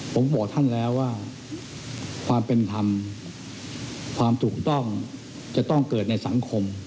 ผมบอกท่านแล้วว่าความเป็นธรรมความถูกต้องจะต้องเกิดในสังคม